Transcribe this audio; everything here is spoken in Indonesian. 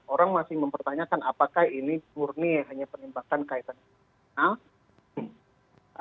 orang masih mempertanyakan apakah ini murni hanya penembakan kaitan